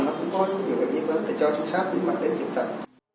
nó cũng có nhiều việc gì đó để cho sát những mặt đến chứng tận